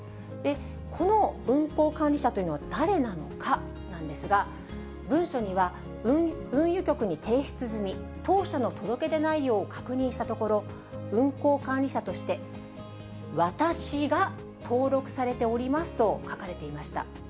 この運航管理者というのは誰なのかなんですが、文書には、運輸局に提出済み、当社の届け出内容を確認したところ、運航管理者として、私が登録されておりますと書かれていました。